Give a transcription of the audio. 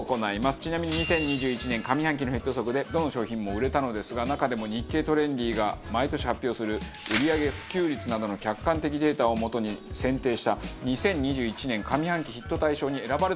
ちなみに２０２１年上半期のヒット予測でどの商品も売れたのですが中でも『日経トレンディ』が毎年発表する売り上げ普及率などの客観的データを基に選定した２０２１年上半期ヒット大賞に選ばれた商品があります。